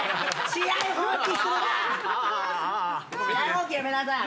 試合放棄やめなさい。